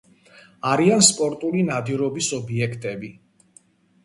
არიან სპორტული ნადირობის ობიექტები.